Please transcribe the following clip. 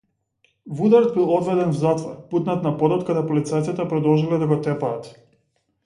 Вудард бил одведен в затвор, бутнат на подот каде полицајците продолжиле да го тепаат.